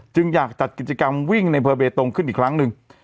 จึงอยากจัดกิจกรรมวิ่งในพื้นเบตตงขึ้นอีกครั้งนึง